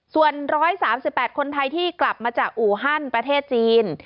ส่วน๑๓๘คนไทยที่กลับมาจากอูฮันประเทศจีน